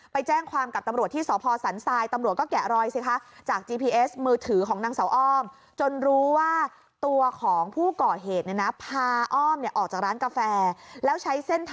ไปแจ้งความกับตำรวจ